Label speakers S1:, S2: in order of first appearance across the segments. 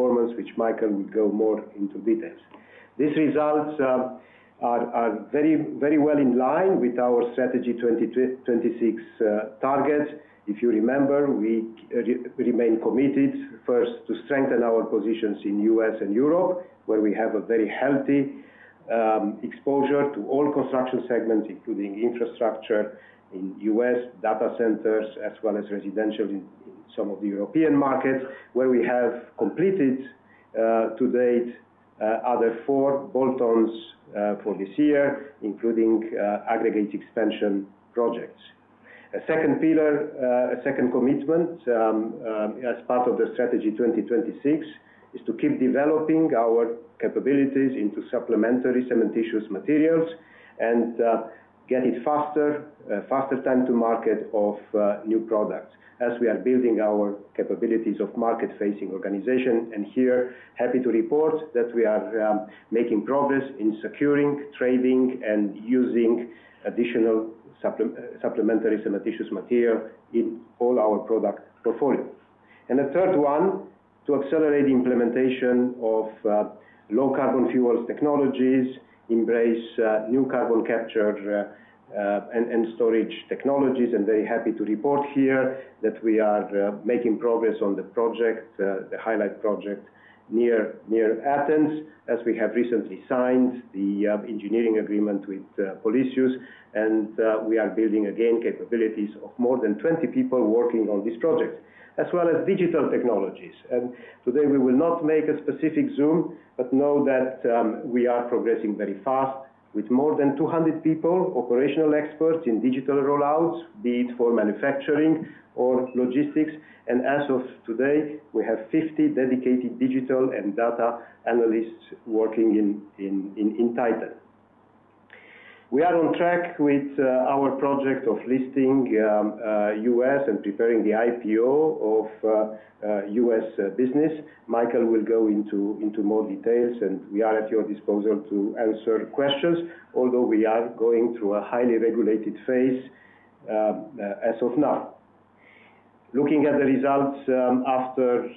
S1: Cost performance, which Michael will go more into details. These results are very well in line with our Strategy 2026 targets. If you remember, we remain committed first to strengthen our positions in the US and Europe, where we have a very healthy exposure to all construction segments, including infrastructure in the US, data centers, as well as residential in some of the European markets, where we have completed to date other four bolt-ons for this year, including aggregate expansion projects. A second pillar, a second commitment as part of the Strategy 2026, is to keep developing our capabilities into supplementary cementitious materials and get a faster time to market of new products as we are building our capabilities of market-facing organization. Here, happy to report that we are making progress in securing, trading, and using additional supplementary cementitious material in all our product portfolio. The third one, to accelerate the implementation of low-carbon fuels technologies, embrace new carbon capture and storage technologies. I'm very happy to report here that we are making progress on the project, the IFESTOS project near Athens, as we have recently signed the engineering agreement with Polysius. We are building, again, capabilities of more than 20 people working on this project, as well as digital technologies. Today, we will not make a specific zoom, but know that we are progressing very fast with more than 200 people, operational experts in digital rollouts, be it for manufacturing or logistics. As of today, we have 50 dedicated digital and data analysts working in Titan. We are on track with our project of listing US and preparing the IPO of US business. Michael will go into more details, and we are at your disposal to answer questions, although we are going through a highly regulated phase as of now. Looking at the results after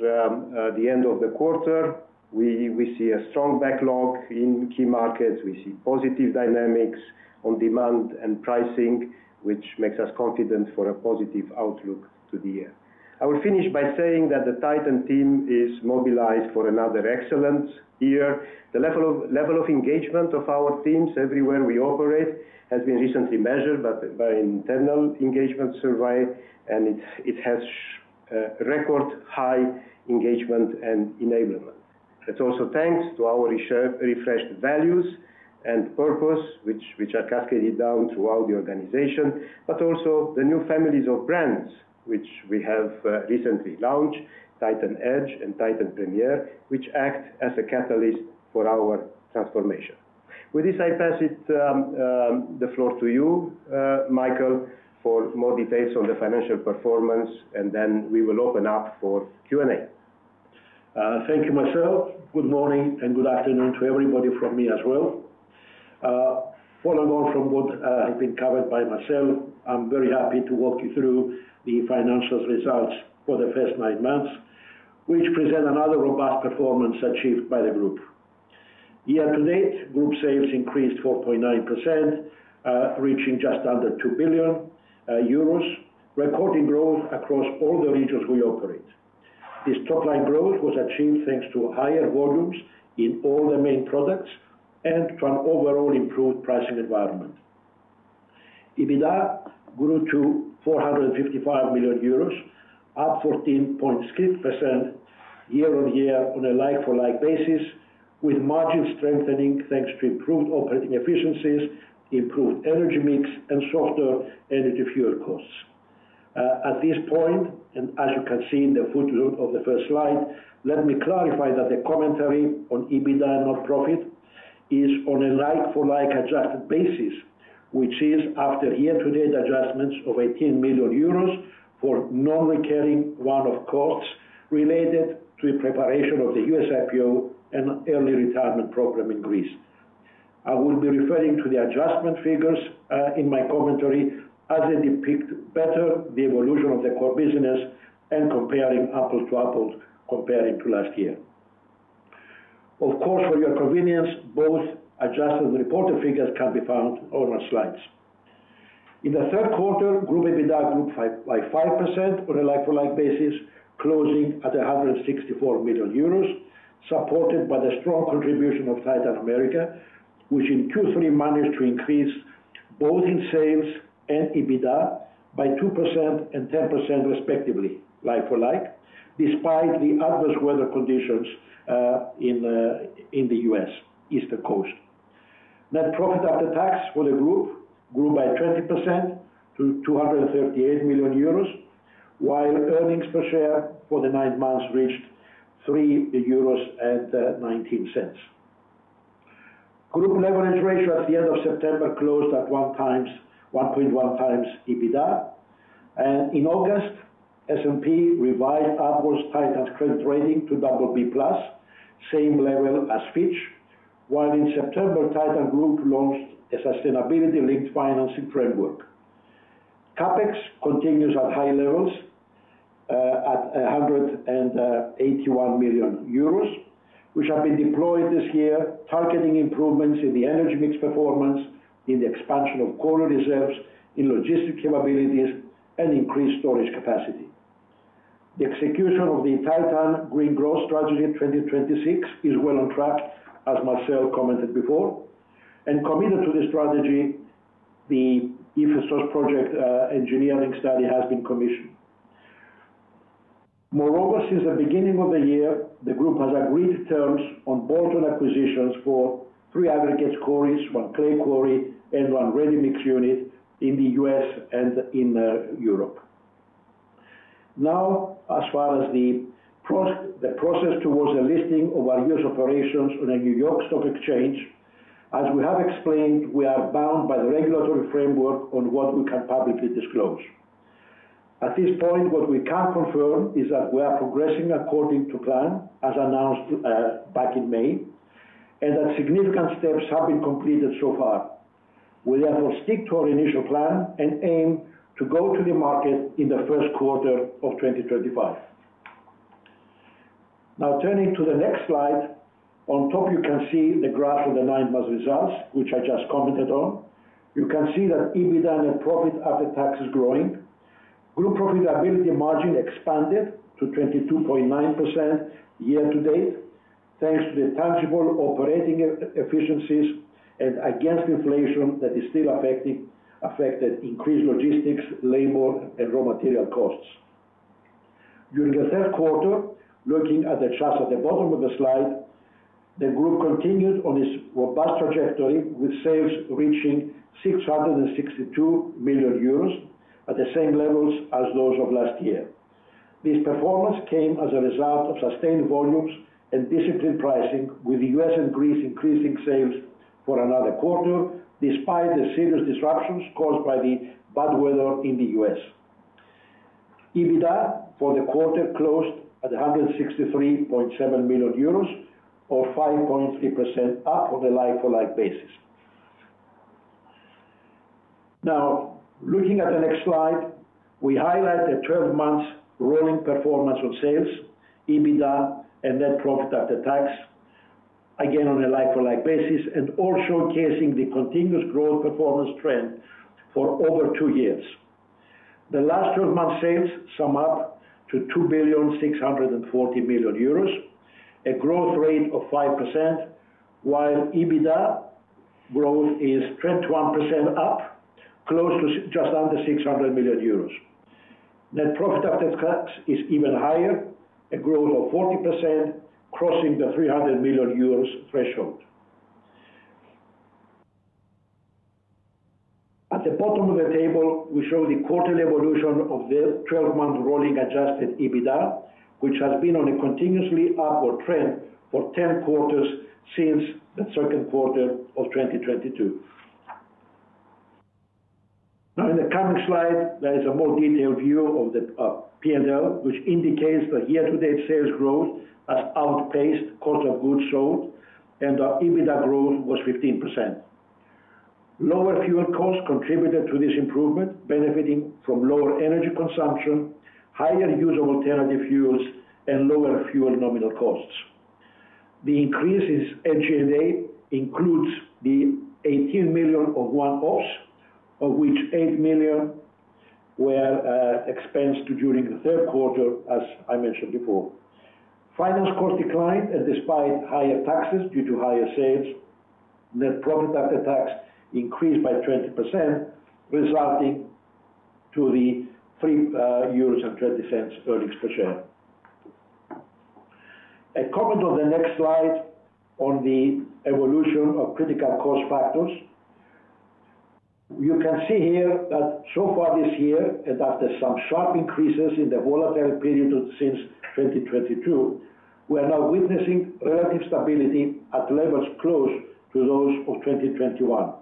S1: the end of the quarter, we see a strong backlog in key markets. We see positive dynamics on demand and pricing, which makes us confident for a positive outlook to the year. I will finish by saying that the Titan team is mobilized for another excellent year. The level of engagement of our teams everywhere we operate has been recently measured by our internal engagement survey, and it has record high engagement and enablement. It's also thanks to our refreshed values and purpose, which are cascaded down throughout the organization, but also the new families of brands which we have recently launched, Titan Edge and Titan Premier, which act as a catalyst for our transformation. With this, I pass the floor to you, Michael, for more details on the financial performance, and then we will open up for Q&A.
S2: Thank you, Marcel. Good morning and good afternoon to everybody from me as well. Following on from what has been covered by Marcel, I'm very happy to walk you through the financial results for the first nine months, which present another robust performance achieved by the group. Year to date, group sales increased 4.9%, reaching just under 2 billion euros, recording growth across all the regions we operate. This top-line growth was achieved thanks to higher volumes in all the main products and to an overall improved pricing environment. EBITDA grew to 455 million euros, up 14.6% year-on-year on a like-for-like basis, with margins strengthening thanks to improved operating efficiencies, improved energy mix, and softer energy fuel costs. At this point, and as you can see in the footnote of the first slide, let me clarify that the commentary on EBITDA and not profit is on a like-for-like adjusted basis, which is after year-to-date adjustments of 18 million euros for non-recurring one-off costs related to the preparation of the US IPO and early retirement program in Greece. I will be referring to the adjustment figures in my commentary as they depict better the evolution of the core business and comparing apples to apples compared to last year. Of course, for your convenience, both adjusted and reported figures can be found on our slides. In Q3, group EBITDA grew by 5% on a like-for-like basis, closing at 164 million euros, supported by the strong contribution of Titan America, which in Q3 managed to increase both in sales and EBITDA by 2% and 10% respectively, like-for-like, despite the adverse weather conditions in the US eastern coast. Net profit after tax for the group grew by 20% to 238 million euros, while earnings per share for the nine months reached 3.19 euros. Group leverage ratio at the end of September closed at 1.1x EBITDA. And in August, S&P revised Titan's credit rating to BB plus, same level as Fitch, while in September, Titan Group launched a sustainability-linked financing framework. CapEx continues at high levels at 181 million euros, which have been deployed this year, targeting improvements in the energy mix performance, in the expansion of quarry reserves, in logistic capabilities, and increased storage capacity. The execution of the Titan Green Growth Strategy 2026 is well on track, as Marcel commented before. Committed to the strategy, the IFESTOS project engineering study has been commissioned. Moreover, since the beginning of the year, the group has agreed to terms on bolt-on acquisitions for three aggregate quarries, one clay quarry, and one ready-mix unit in the US and in Europe. Now, as far as the process towards the listing of our US operations on a New York Stock Exchange, as we have explained, we are bound by the regulatory framework on what we can publicly disclose. At this point, what we can confirm is that we are progressing according to plan, as announced back in May, and that significant steps have been completed so far. We therefore stick to our initial plan and aim to go to the market in Q1 of 2025. Now, turning to the next slide, on top, you can see the graph of the nine-month results, which I just commented on. You can see that EBITDA and net profit after tax is growing. Group profitability margin expanded to 22.9% year-to-date, thanks to the tangible operating efficiencies and against inflation that is still affecting increased logistics, labor, and raw material costs. During Q3, looking at the charts at the bottom of the slide, the group continued on its robust trajectory, with sales reaching 662 million euros at the same levels as those of last year. This performance came as a result of sustained volumes and disciplined pricing, with the US and Greece increasing sales for another quarter, despite the serious disruptions caused by the bad weather in the US EBITDA for the quarter closed at 163.7 million euros, or 5.3% up on a like-for-like basis. Now, looking at the next slide, we highlight the 12-month rolling performance on sales, EBITDA, and net profit after tax, again on a like-for-like basis, and also capturing the continuous growth performance trend for over two years. The last 12-month sales sum up to 2.640 million euros, a growth rate of 5%, while EBITDA growth is 21% up, close to just under 600 million euros. Net profit after tax is even higher, a growth of 40%, crossing the 300 million euros threshold. At the bottom of the table, we show the quarterly evolution of the 12-month rolling adjusted EBITDA, which has been on a continuously upward trend for 10 quarters since the Q2 of 2022. Now, in the coming slide, there is a more detailed view of the P&L, which indicates the year-to-date sales growth has outpaced cost of goods sold, and our EBITDA growth was 15%. Lower fuel costs contributed to this improvement, benefiting from lower energy consumption, higher use of alternative fuels, and lower fuel nominal costs. The increase in SG&A includes the 18 million of one-offs, of which 8 million were expensed during Q3, as I mentioned before. Finance costs declined, and despite higher taxes due to higher sales, net profit after tax increased by 20%, resulting in the EUR 3.20 earnings per share. A comment on the next slide on the evolution of critical cost factors. You can see here that so far this year, and after some sharp increases in the volatile period since 2022, we are now witnessing relative stability at levels close to those of 2021.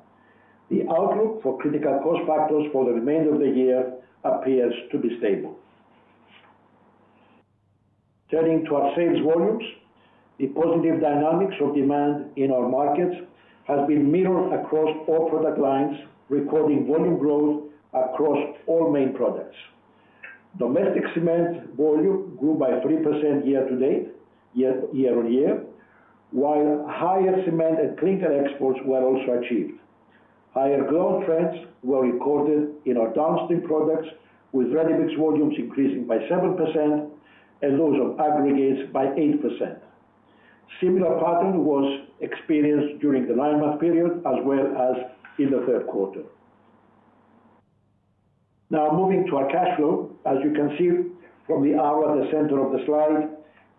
S2: The outlook for critical cost factors for the remainder of the year appears to be stable. Turning to our sales volumes, the positive dynamics of demand in our markets have been mirrored across all product lines, recording volume growth across all main products. Domestic cement volume grew by 3% year-to-date, year-on-year, while higher cement and clinker exports were also achieved. Higher growth trends were recorded in our downstream products, with ready-mix volumes increasing by 7% and those of aggregates by 8%. Similar pattern was experienced during the nine-month period, as well as in Q3. Now, moving to our cash flow, as you can see from the arrow at the center of the slide,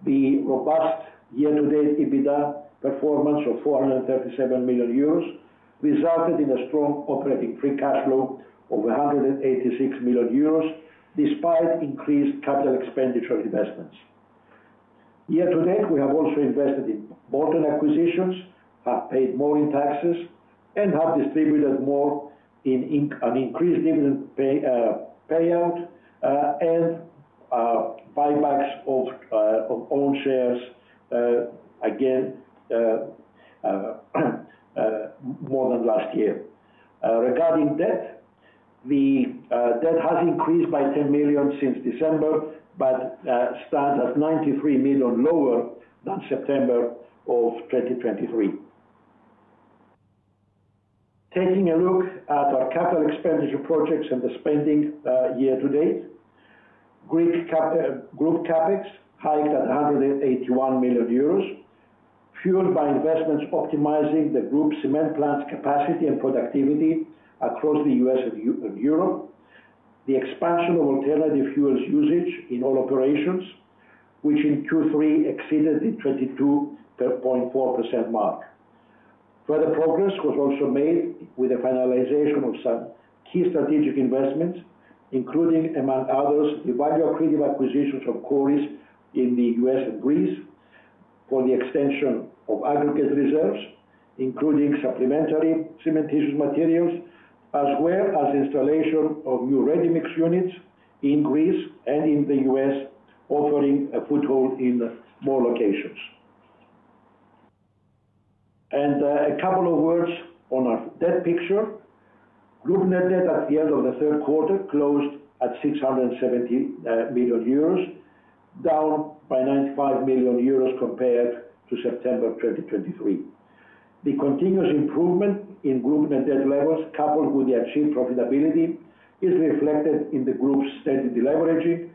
S2: the robust year-to-date EBITDA performance of 437 million euros resulted in a strong operating free cash flow of 186 million euros, despite increased capital expenditure investments. Year-to-date, we have also invested in bolt-on acquisitions, have paid more in taxes, and have distributed more in an increased dividend payout and buybacks of own shares, again more than last year. Regarding debt, the debt has increased by 10 million since December, but stands at 93 million lower than September of 2023. Taking a look at our capital expenditure projects and the spending year-to-date, group CapEx hiked at 181 million euros, fueled by investments optimizing the group cement plant's capacity and productivity across the US and Europe, the expansion of alternative fuels usage in all operations, which in Q3 exceeded the 22.4% mark. Further progress was also made with the finalization of some key strategic investments, including, among others, the value-accretive acquisitions of quarries in the US and Greece for the extension of aggregate reserves, including supplementary cementitious materials, as well as the installation of new ready-mix units in Greece and in the US, offering a foothold in more locations. And a couple of words on our debt picture. Group net debt at the end of Q3 closed at 670 million euros, down by 95 million euros compared to September 2023. The continuous improvement in group net debt levels, coupled with the achieved profitability, is reflected in the group's steady deleveraging,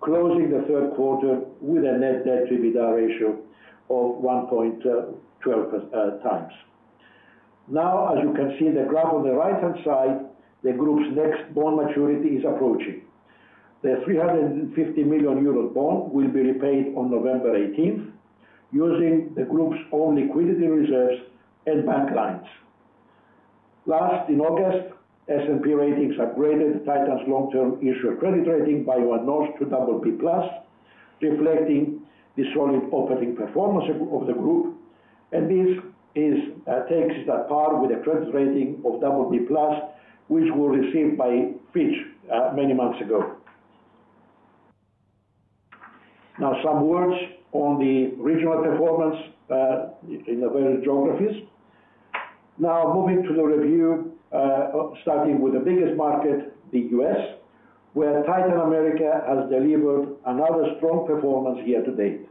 S2: closing Q3 with a net debt-to-EBITDA ratio of 1.12x. Now, as you can see in the graph on the right-hand side, the group's next bond maturity is approaching. The 350 million euros bond will be repaid on November 18th, using the group's own liquidity reserves and bank lines. In August, S&P ratings upgraded Titan's long-term issuer credit rating by one notch to BB plus, reflecting the solid operating performance of the group. And this puts us on par with a credit rating of BB plus, which we received from Fitch many months ago. Now, some words on the regional performance in the various geographies. Now, moving to the review, starting with the biggest market, the US, where Titan America has delivered another strong performance year-to-date.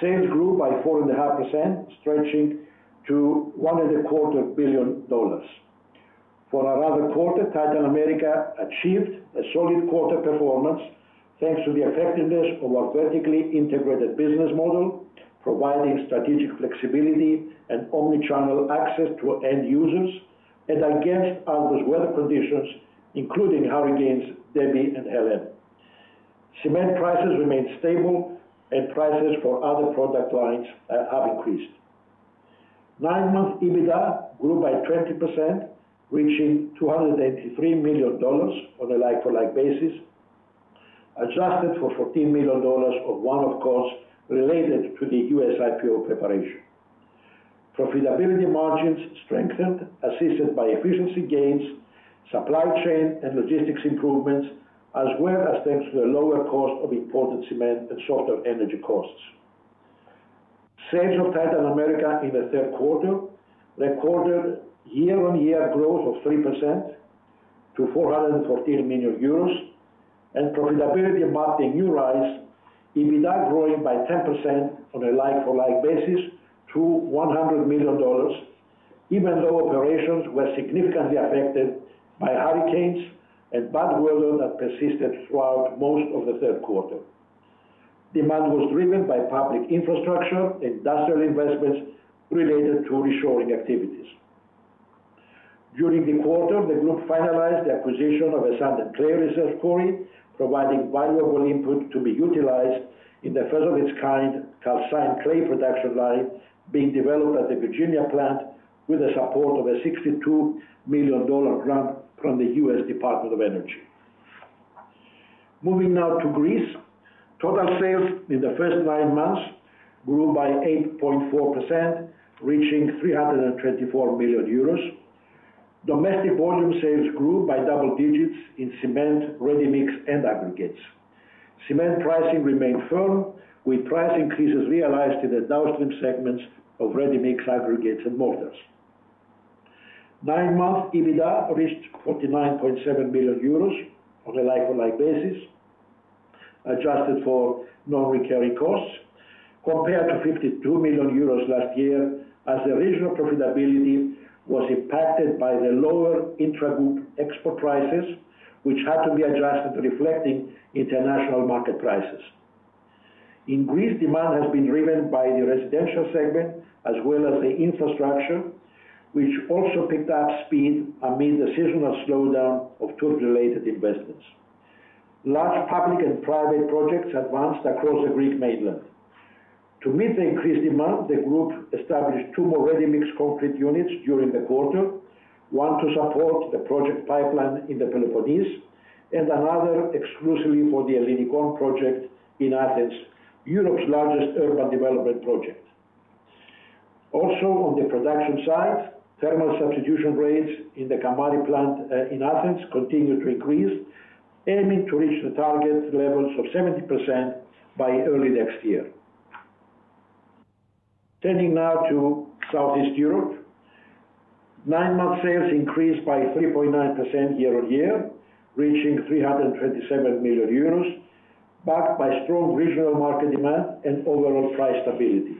S2: Sales grew by 4.5%, stretching to $1.25 billion. For another quarter, Titan America achieved a solid quarter performance thanks to the effectiveness of our vertically integrated business model, providing strategic flexibility and omnichannel access to end users, and against adverse weather conditions, including hurricanes Debby and Helene. Cement prices remained stable, and prices for other product lines have increased. Nine-month EBITDA grew by 20%, reaching $283 million on a like-for-like basis, adjusted for $14 million of one-off costs related to the US IPO preparation. Profitability margins strengthened, assisted by efficiency gains, supply chain and logistics improvements, as well as thanks to the lower cost of imported cement and softer energy costs. Sales of Titan America in Q3 recorded year-on-year growth of 3% to 414 million euros, and profitability marked a new rise, EBITDA growing by 10% on a like-for-like basis to $100 million, even though operations were significantly affected by hurricanes and bad weather that persisted throughout most of Q3. Demand was driven by public infrastructure and industrial investments related to reshoring activities. During the quarter, the group finalized the acquisition of a sand and clay reserve quarry, providing valuable input to be utilized in the first-of-its-kind calcined clay production line being developed at the Virginia plant, with the support of a $62 million grant from the US Department of Energy. Moving now to Greece, total sales in the first nine months grew by 8.4%, reaching 324 million euros. Domestic volume sales grew by double digits in cement, ready-mix, and aggregates. Cement pricing remained firm, with price increases realized in the downstream segments of ready-mix aggregates and mortars. Nine-month EBITDA reached 49.7 million euros on a like-for-like basis, adjusted for non-recurring costs, compared to 52 million euros last year, as the regional profitability was impacted by the lower intragroup export prices, which had to be adjusted, reflecting international market prices. In Greece, demand has been driven by the residential segment, as well as the infrastructure, which also picked up speed amid the seasonal slowdown of tourist-related investments. Large public and private projects advanced across the Greek mainland. To meet the increased demand, the group established two more ready-mix concrete units during the quarter, one to support the project pipeline in the Peloponnese, and another exclusively for the Ellinikon project in Athens, Europe's largest urban development project. Also, on the production side, thermal substitution rates in the Kamari plant in Athens continue to increase, aiming to reach the target levels of 70% by early next year. Turning now to Southeast Europe, nine-month sales increased by 3.9% year-on-year, reaching 327 million euros, backed by strong regional market demand and overall price stability.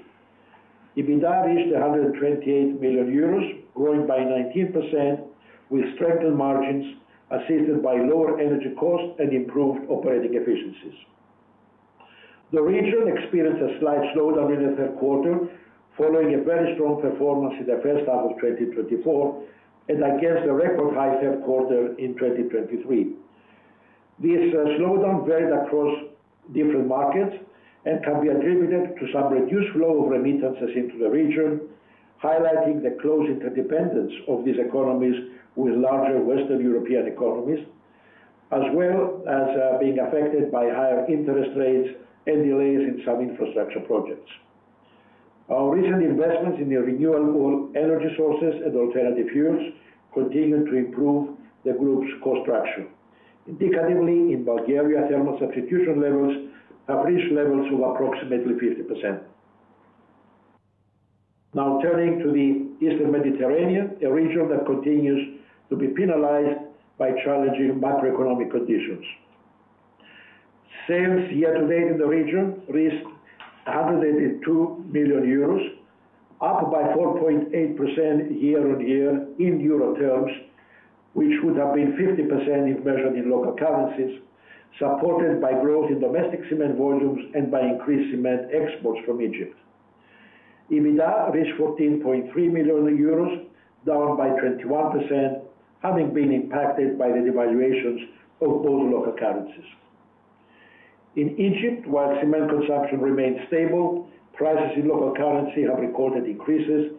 S2: EBITDA reached 128 million euros, growing by 19%, with strengthened margins assisted by lower energy costs and improved operating efficiencies. The region experienced a slight slowdown in Q3, following a very strong performance in the first half of 2024 and against a record high Q3 in 2023. This slowdown varied across different markets and can be attributed to some reduced flow of remittances into the region, highlighting the closer interdependence of these economies with larger Western European economies, as well as being affected by higher interest rates and delays in some infrastructure projects. Our recent investments in the renewable energy sources and alternative fuels continue to improve the group's cost structure. Indicatively, in Bulgaria, thermal substitution levels have reached levels of approximately 50%. Now, turning to the Eastern Mediterranean, a region that continues to be penalized by challenging macroeconomic conditions. Sales year-to-date in the region reached 182 million euros, up by 4.8% year-on-year in euro terms, which would have been 50% if measured in local currencies, supported by growth in domestic cement volumes and by increased cement exports from Egypt. EBITDA reached 14.3 million euros, down by 21%, having been impacted by the devaluations of both local currencies. In Egypt, while cement consumption remained stable, prices in local currency have recorded increases,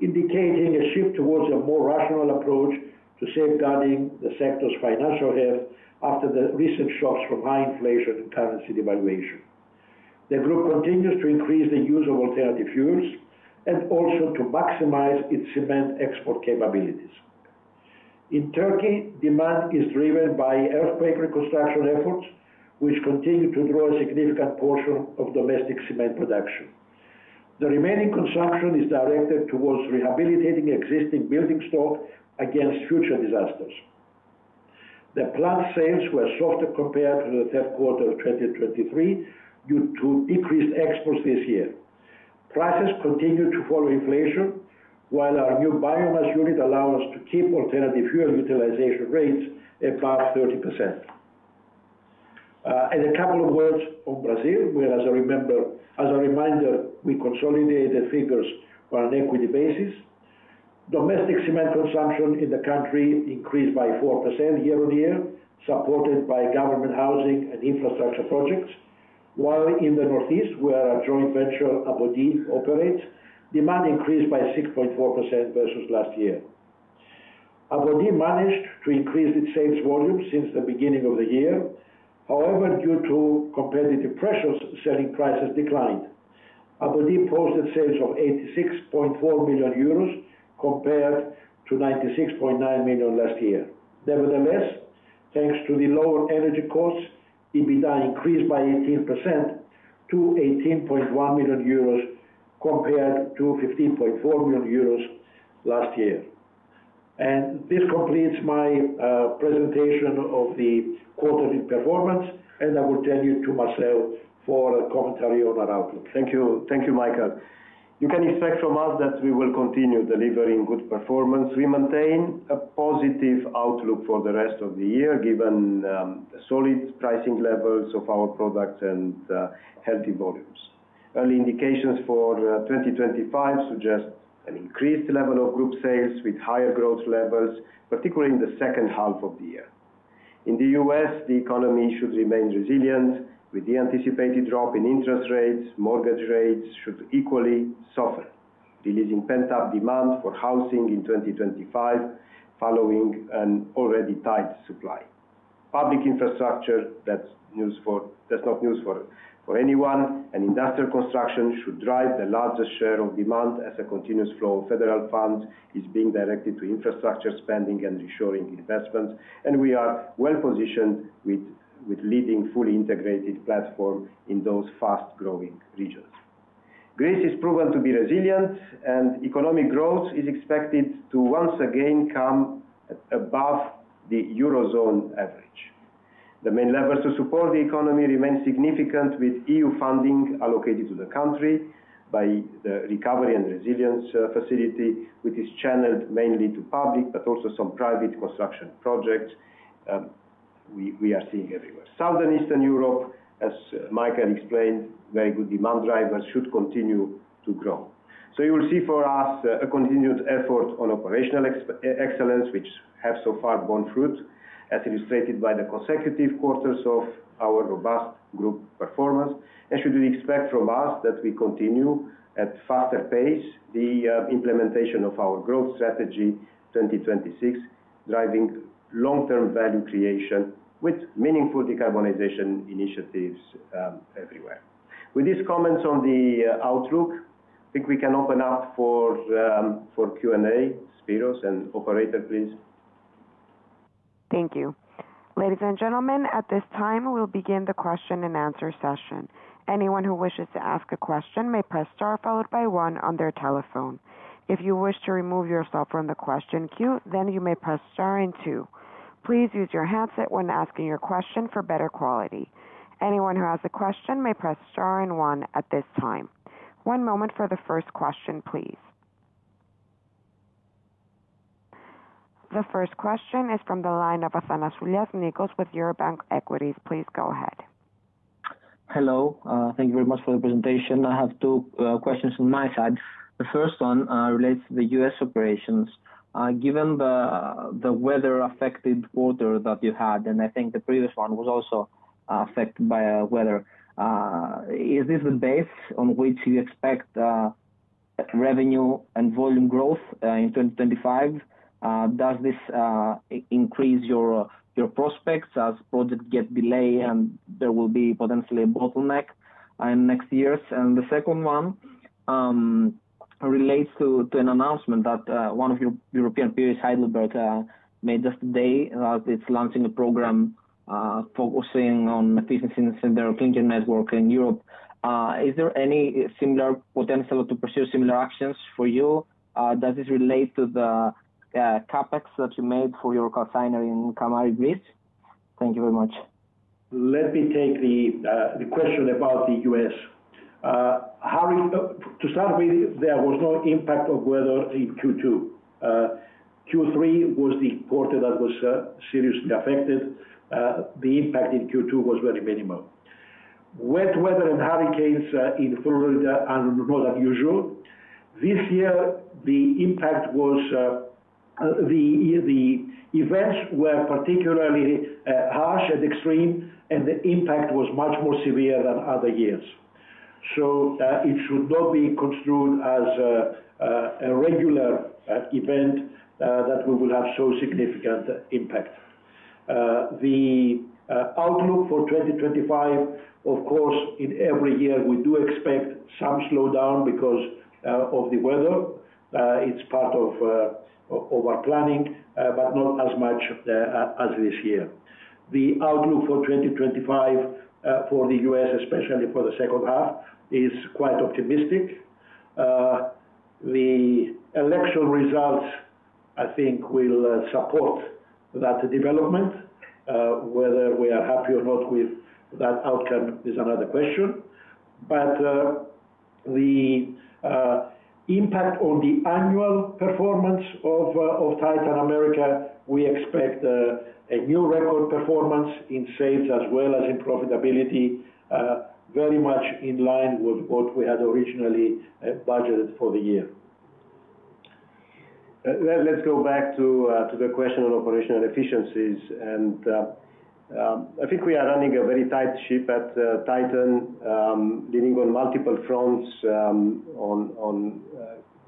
S2: indicating a shift towards a more rational approach to safeguarding the sector's financial health after the recent shocks from high inflation and currency devaluation. The group continues to increase the use of alternative fuels and also to maximize its cement export capabilities. In Turkey, demand is driven by earthquake reconstruction efforts, which continue to draw a significant portion of domestic cement production. The remaining consumption is directed towards rehabilitating existing building stock against future disasters. The plant sales were softer compared to Q3 of 2023 due to decreased exports this year. Prices continue to follow inflation, while our new biomass unit allows us to keep alternative fuel utilization rates above 30%, and a couple of words on Brazil, as I remember, as a reminder, we consolidated figures on an equity basis. Domestic cement consumption in the country increased by 4% year-on-year, supported by government housing and infrastructure projects, while in the Northeast, where our joint venture, Apodi, operates, demand increased by 6.4% versus last year. Apodi managed to increase its sales volume since the beginning of the year. However, due to competitive pressures, selling prices declined. Apodi posted sales of 86.4 million euros compared to 96.9 million last year. Nevertheless, thanks to the lower energy costs, EBITDA increased by 18% to 18.1 million euros compared to 15.4 million euros last year. This completes my presentation of the quarterly performance, and I will turn it over to Marcel for a commentary on our outlook.
S1: Thank you, Michael. You can expect from us that we will continue delivering good performance. We maintain a positive outlook for the rest of the year, given the solid pricing levels of our products and healthy volumes. Early indications for 2025 suggest an increased level of group sales with higher growth levels, particularly in the second half of the year. In the US, the economy should remain resilient. With the anticipated drop in interest rates, mortgage rates should equally suffer, releasing pent-up demand for housing in 2025, following an already tight supply. Public infrastructure. That's not news for anyone. Industrial construction should drive the largest share of demand as a continuous flow of federal funds is being directed to infrastructure spending and reshoring investments. We are well positioned with leading fully integrated platforms in those fast-growing regions. Greece is proven to be resilient, and economic growth is expected to once again come above the Eurozone average. The main levers to support the economy remain significant, with EU funding allocated to the country by the Recovery and Resilience Facility, which is channeled mainly to public, but also some private construction projects we are seeing everywhere. Southeast Europe, as Michael explained, very good demand drivers should continue to grow. You will see for us a continued effort on operational excellence, which has so far borne fruit, as illustrated by the consecutive quarters of our robust group performance. You should expect from us that we continue at a faster pace, the implementation of our Growth Strategy 2026, driving long-term value creation with meaningful decarbonization initiatives everywhere. With these comments on the outlook, I think we can open up for Q&A. Spiros and operator, please.
S3: Thank you. Ladies and gentlemen, at this time, we'll begin the question and answer session. Anyone who wishes to ask a question may press star followed by one on their telephone. If you wish to remove yourself from the question queue, then you may press star and two. Please use your handset when asking your question for better quality. Anyone who has a question may press star and one at this time. One moment for the first question, please. The first question is from the line of Nikos Athanasoulias with Eurobank Equities. Please go ahead.
S4: Hello. Thank you very much for the presentation. I have two questions on my side. The first one relates to the US operations. Given the weather-affected quarter that you had, and I think the previous one was also affected by weather, is this the basis on which you expect revenue and volume growth in 2025? Does this increase your prospects as projects get delayed and there will be potentially a bottleneck in next years? And the second one relates to an announcement that one of your European peers, Heidelberg, made just today that it's launching a program focusing on efficiency in the clinker network in Europe. Is there any similar potential to pursue similar actions for you? Does this relate to the CapEx that you made for your calciner in Kamari, Greece? Thank you very much.
S2: Let me take the question about the US To start with, there was no impact of weather in Q2. Q3 was the quarter that was seriously affected. The impact in Q2 was very minimal. Wet weather and hurricanes in Florida are not unusual. This year, the impact was the events were particularly harsh and extreme, and the impact was much more severe than other years. So it should not be construed as a regular event that we will have so significant impact. The outlook for 2025, of course, in every year, we do expect some slowdown because of the weather. It's part of our planning, but not as much as this year. The outlook for 2025 for the US, especially for the second half, is quite optimistic. The election results, I think, will support that development. Whether we are happy or not with that outcome is another question. But the impact on the annual performance of Titan America, we expect a new record performance in sales as well as in profitability, very much in line with what we had originally budgeted for the year. Let's go back to the question on operational efficiencies. And I think we are running a very tight ship at Titan, leading on multiple fronts on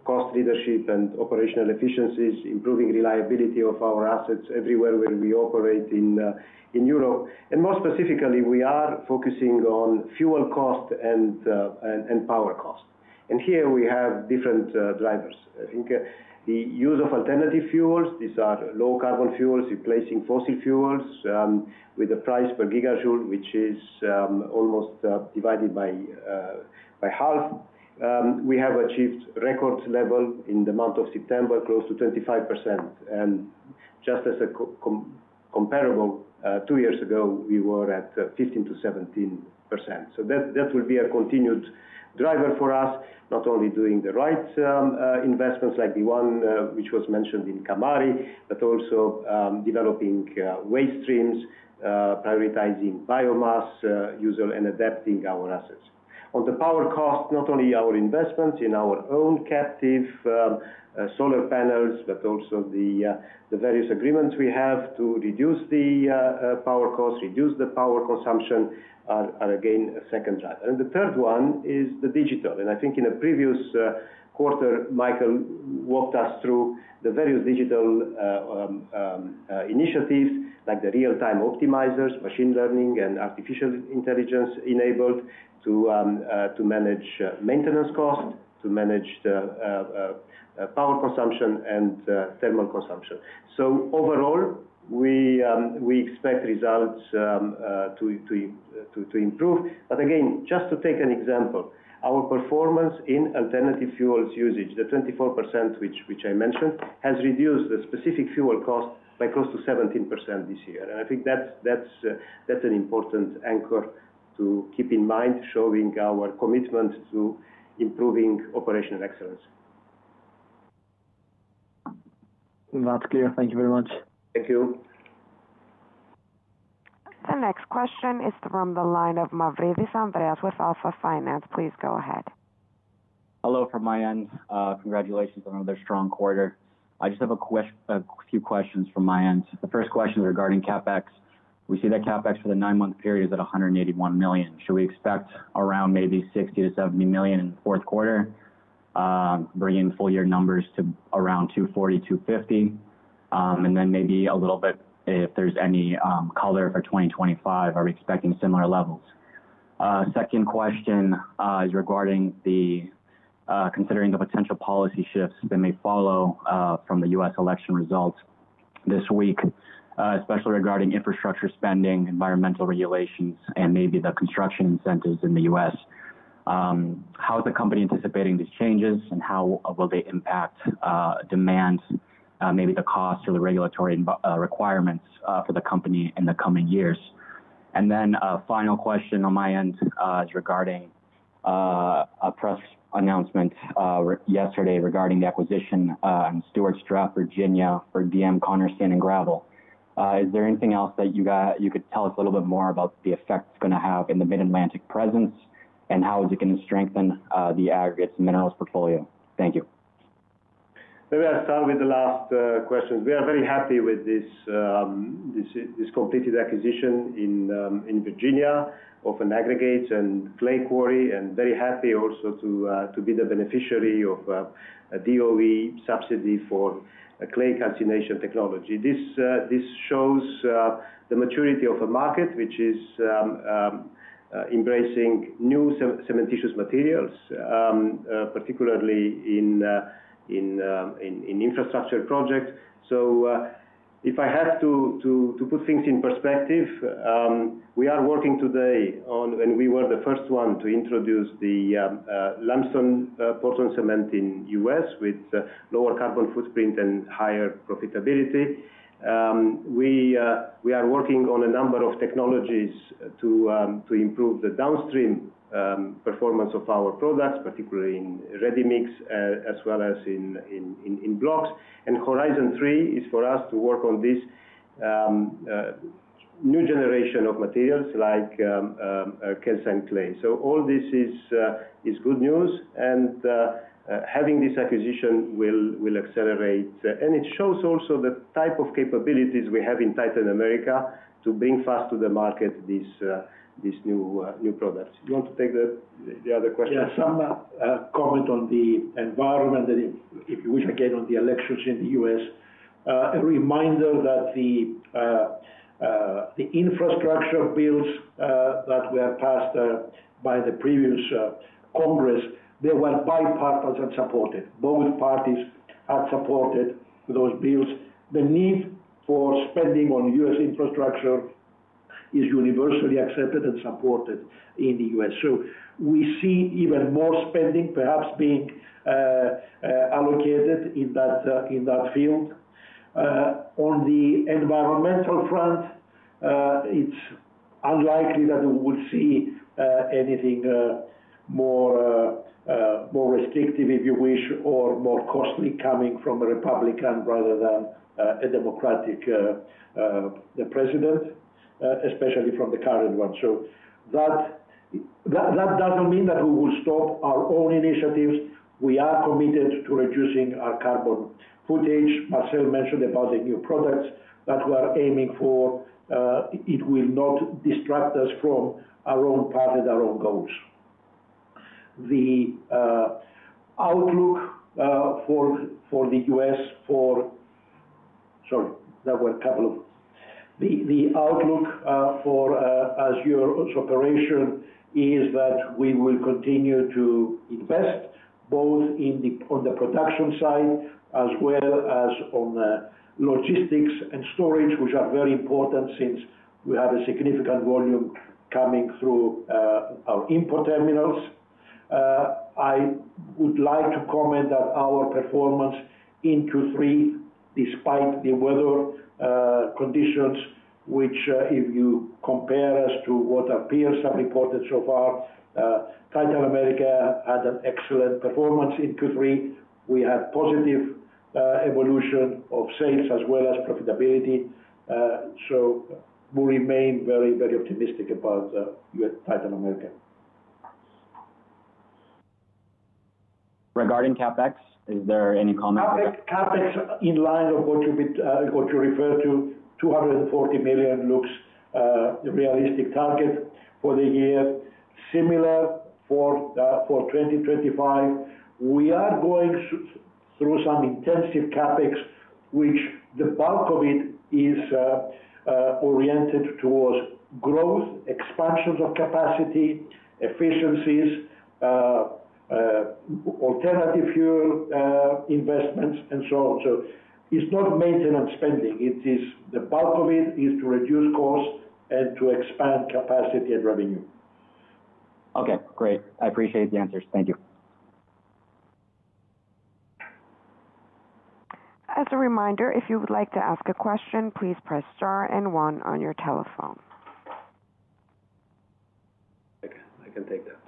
S2: cost leadership and operational efficiencies, improving reliability of our assets everywhere where we operate in Europe. And more specifically, we are focusing on fuel cost and power cost. And here we have different drivers. I think the use of alternative fuels, these are low-carbon fuels replacing fossil fuels with a price per gigajoule, which is almost divided by half. We have achieved record level in the month of September, close to 25%. And just as comparable two years ago, we were at 15% to 17%. So that will be a continued driver for us, not only doing the right investments like the one which was mentioned in Kamari, but also developing waste streams, prioritizing biomass, usually and adapting our assets. On the power cost, not only our investments in our own captive solar panels, but also the various agreements we have to reduce the power cost, reduce the power consumption are again a second driver, and the third one is the digital. I think in the previous quarter, Michael walked us through the various digital initiatives like the real-time optimizers, machine learning, and artificial intelligence enabled to manage maintenance costs, to manage the power consumption and thermal consumption. Overall, we expect results to improve. Again, just to take an example, our performance in alternative fuels usage, the 24% which I mentioned, has reduced the specific fuel cost by close to 17% this year. I think that's an important anchor to keep in mind, showing our commitment to improving operational excellence.
S4: That's clear. Thank you very much.
S2: Thank you.
S3: The next question is from the line of Andreas Mavridis with Alpha Finance. Please go ahead.
S5: Hello from my end. Congratulations on another strong quarter. I just have a few questions from my end. The first question is regarding CapEx. We see that CapEx for the nine-month period is at 181 million. Should we expect around maybe 60 million to 70 million in Q4, bringing full-year numbers to around 240 million-250 million? And then maybe a little bit if there's any color for 2025, are we expecting similar levels? Second question is regarding considering the potential policy shifts that may follow from the US election results this week, especially regarding infrastructure spending, environmental regulations, and maybe the construction incentives in the US How is the company anticipating these changes, and how will they impact demand, maybe the cost or the regulatory requirements for the company in the coming years? And then a final question on my end is regarding a press announcement yesterday regarding the acquisition in Stuarts Draft, Virginia, of D.M. Conner Sand & Gravel. Is there anything else that you could tell us a little bit more about the effect it's going to have in the Mid-Atlantic presence, and how is it going to strengthen the aggregates and minerals portfolio? Thank you.
S1: Maybe I'll start with the last questions. We are very happy with this completed acquisition in Virginia of an aggregates and clay quarry, and very happy also to be the beneficiary of a DOE subsidy for clay calcination technology. This shows the maturity of a market which is embracing new cementitious materials, particularly in infrastructure projects. So if I have to put things in perspective, we are working today on, and we were the first one to introduce the Type IL Portland cement in the US with lower carbon footprint and higher profitability. We are working on a number of technologies to improve the downstream performance of our products, particularly in ready mix, as well as in blocks. And Horizon Three is for us to work on this new generation of materials like calcined clay. So all this is good news, and having this acquisition will accelerate. And it shows also the type of capabilities we have in Titan America to bring fast to the market these new products. You want to take the other question?
S2: Yeah, some comment on the environment, and if you wish, again, on the elections in the US A reminder that the infrastructure bills that were passed by the previous Congress, they were bipartisan supported. Both parties had supported those bills. The need for spending on US infrastructure is universally accepted and supported in the US So we see even more spending perhaps being allocated in that field. On the environmental front, it's unlikely that we will see anything more restrictive, if you wish, or more costly coming from a Republican rather than a Democratic president, especially from the current one. So that doesn't mean that we will stop our own initiatives. We are committed to reducing our carbon footprint. Marcel mentioned about the new products that we are aiming for. It will not distract us from our own path and our own goals. The outlook for Titan America's operation is that we will continue to invest both on the production side as well as on logistics and storage, which are very important since we have a significant volume coming through our import terminals. I would like to comment that our performance in Q3, despite the weather conditions, which if you compare us to what our peers have reported so far, Titan America had an excellent performance in Q3. We had positive evolution of sales as well as profitability, so we'll remain very, very optimistic about Titan America. Regarding CapEx, is there any comment? CapEx in line with what you referred to, 240 million looks like a realistic target for the year. Similar for 2025. We are going through some intensive CapEx, which the bulk of it is oriented towards growth, expansions of capacity, efficiencies, alternative fuel investments, and so on. So it's not maintenance spending. The bulk of it is to reduce costs and to expand capacity and revenue.
S5: Okay, great. I appreciate the answers. Thank you.
S3: As a reminder, if you would like to ask a question, please press star and one on your telephone. I can take that.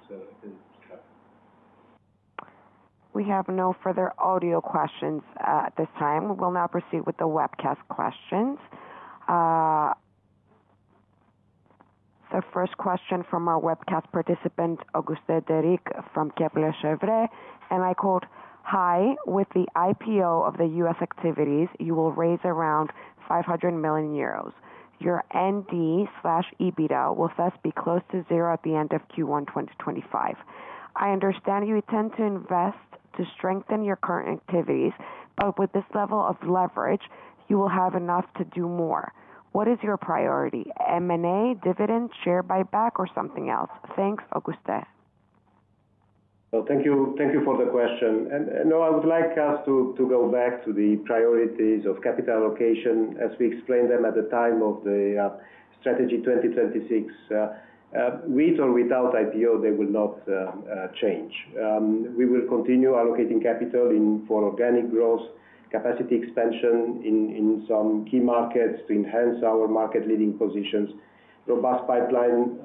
S3: We have no further audio questions at this time. We'll now proceed with the webcast questions. The first question from our webcast participant, Auguste Darlix from Kepler Cheuvreux, and I quote, "Hi, with the IPO of the US activities, you will raise around 500 million euros. Your net debt/EBITDA will thus be close to zero at the end of Q1 2025. I understand you intend to invest to strengthen your current activities, but with this level of leverage, you will have enough to do more. What is your priority? M&A, dividend, share buyback, or something else? Thanks, Auguste.
S1: Well, thank you for the question. And no, I would like us to go back to the priorities of capital allocation as we explained them at the time of the Strategy 2026. With or without IPO, they will not change. We will continue allocating capital for organic growth, capacity expansion in some key markets to enhance our market-leading positions, robust pipeline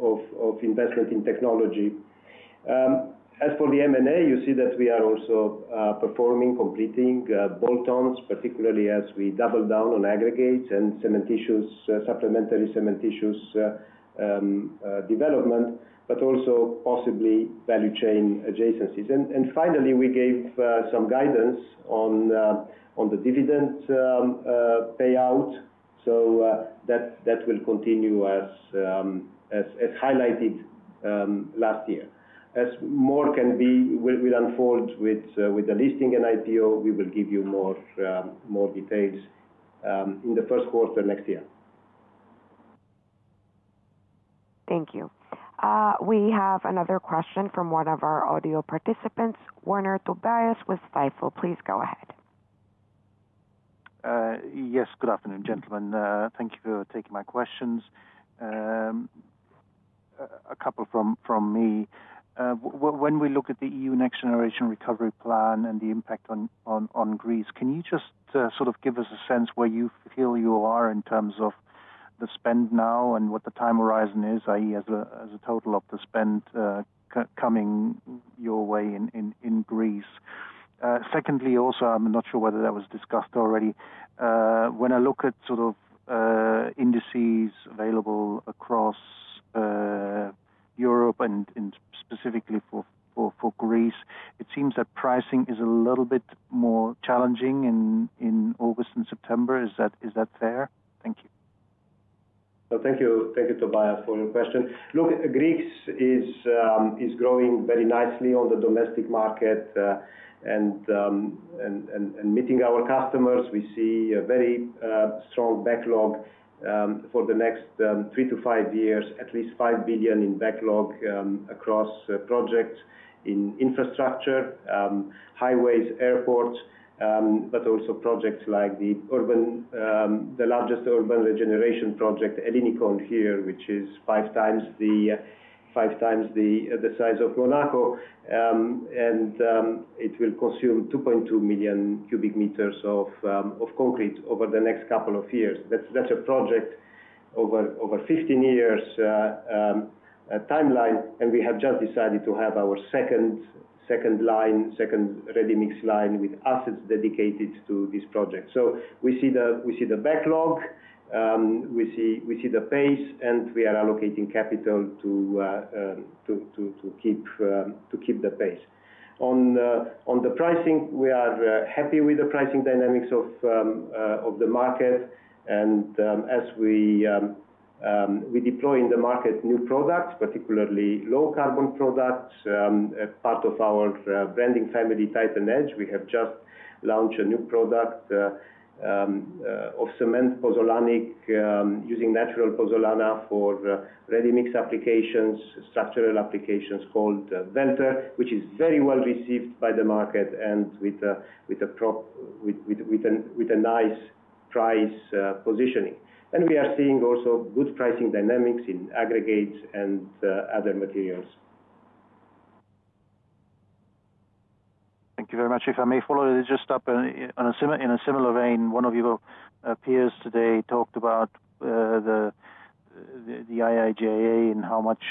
S1: of investment in technology. As for the M&A, you see that we are also performing, completing bolt-ons, particularly as we double down on aggregates and cementitious, supplementary cementitious development, but also possibly value chain adjacencies. And finally, we gave some guidance on the dividend payout. So that will continue as highlighted last year. As more will unfold with the listing and IPO, we will give you more details in Q1 next year.
S3: Thank you. We have another question from one of our audio participants, Tobias Woerner with Stifel. Please go ahead.
S6: Yes, good afternoon, gentlemen. Thank you for taking my questions. A couple from me. When we look at the EU Next Generation Recovery Plan and the impact on Greece, can you just sort of give us a sense where you feel you are in terms of the spend now and what the time horizon is, i.e., as a total of the spend coming your way in Greece? Secondly, also, I'm not sure whether that was discussed already. When I look at sort of indices available across Europe and specifically for Greece, it seems that pricing is a little bit more challenging in August and September. Is that fair? Thank you.
S1: So thank you, Tobias, for your question. Look, Greece is growing very nicely on the domestic market and meeting our customers. We see a very strong backlog for the next three to five years, at least five billion in backlog across projects in infrastructure, highways, airports, but also projects like the largest urban regeneration project, Ellinikon here, which is 5x the size of Monaco. And it will consume 2.2 million cubic meters of concrete over the next couple of years. That's a project over 15 years timeline. And we have just decided to have our second line, second ready-mix line with assets dedicated to this project. So we see the backlog, we see the pace, and we are allocating capital to keep the pace. On the pricing, we are happy with the pricing dynamics of the market. And as we deploy in the market new products, particularly low carbon products, part of our branding family, Titan Edge, we have just launched a new product of cement, pozzolanic, using natural pozzolana for ready mix applications, structural applications called Velter, which is very well received by the market and with a nice price positioning. And we are seeing also good pricing dynamics in aggregates and other materials.
S6: Thank you very much. If I may follow, just in a similar vein, one of your peers today talked about the IIJA and how much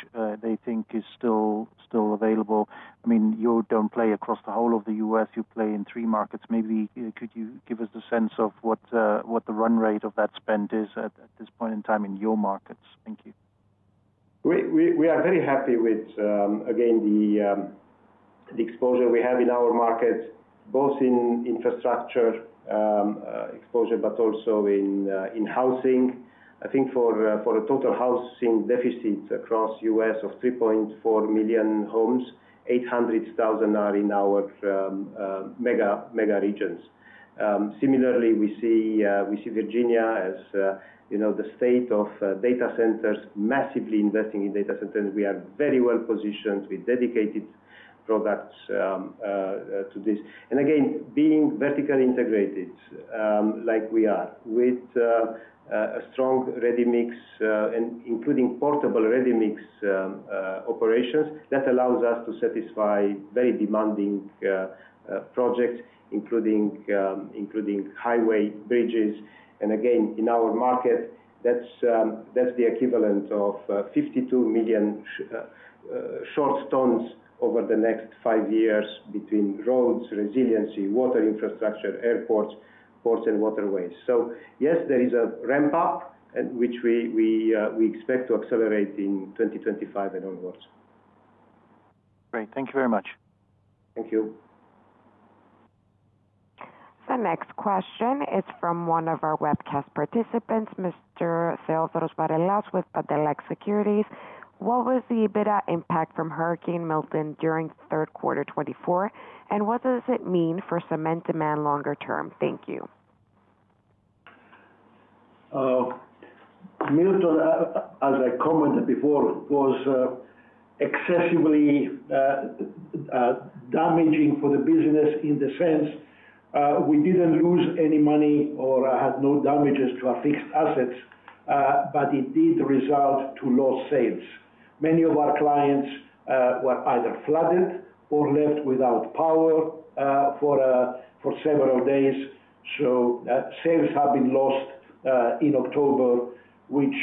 S6: they think is still available. I mean, you don't play across the whole of the US You play in three markets. Maybe could you give us a sense of what the run rate of that spend is at this point in time in your markets? Thank you.
S1: We are very happy with, again, the exposure we have in our markets, both in infrastructure exposure, but also in housing. I think for a total housing deficit across the US of 3.4 million homes, 800,000 are in our mega regions. Similarly, we see Virginia as the state of data centers, massively investing in data centers. We are very well positioned with dedicated products to this. And again, being vertically integrated like we are with a strong ready mix, including portable ready mix operations, that allows us to satisfy very demanding projects, including highway bridges. And again, in our market, that's the equivalent of 52 million short tons over the next five years between roads, resiliency, water infrastructure, airports, ports, and waterways. So yes, there is a ramp-up, which we expect to accelerate in 2025 and onwards.
S6: Great. Thank you very much.
S1: Thank you.
S3: The next question is from one of our webcast participants, Mr. Theodoros Varelas with Pantelakis Securities. What was the EBITDA impact from Hurricane Milton during Q3 2024? And what does it mean for cement demand longer term? Thank you.
S2: Milton, as I commented before, was excessively damaging for the business in the sense we didn't lose any money or had no damages to our fixed assets, but it did result in lost sales. Many of our clients were either flooded or left without power for several days. So sales have been lost in October, which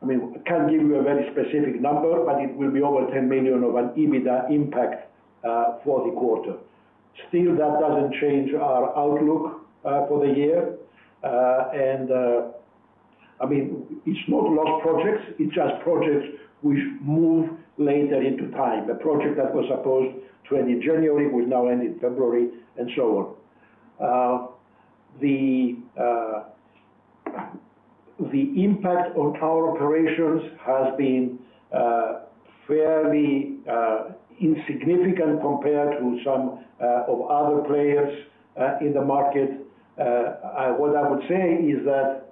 S2: I mean, I can't give you a very specific number, but it will be over $10 million EBITDA impact for the quarter. Still, that doesn't change our outlook for the year. And I mean, it's not lost projects. It's just projects which move later into time. A project that was supposed to end in January will now end in February and so on. The impact on our operations has been fairly insignificant compared to some of other players in the market. What I would say is that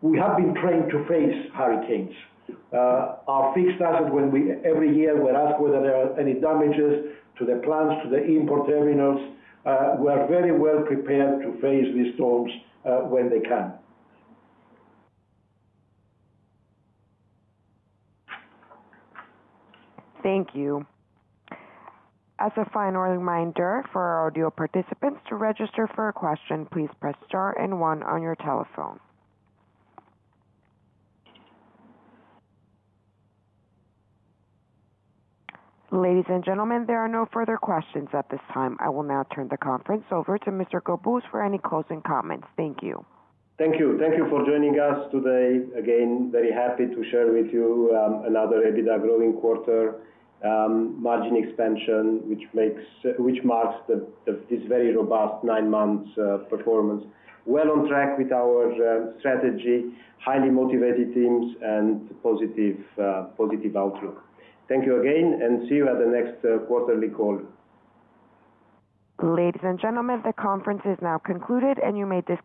S2: we have been trained to face hurricanes. Our fixed asset, when we every year were asked whether there are any damages to the plants, to the import terminals, were very well prepared to face these storms when they can.
S3: Thank you. As a final reminder for our audio participants to register for a question, please press star and one on your telephone. Ladies and gentlemen, there are no further questions at this time. I will now turn the conference over to Mr. Cobuz for any closing comments. Thank you.
S1: Thank you. Thank you for joining us today. Again, very happy to share with you another EBITDA growing quarter, margin expansion, which marks this very robust nine-month performance. Well on track with our strategy, highly motivated teams, and positive outlook. Thank you again, and see you at the next quarterly call.
S3: Ladies and gentlemen, the conference is now concluded, and you may disconnect.